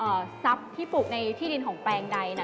ไอซัพที่ปลูกในที่ดินของแปงไตถ์นะ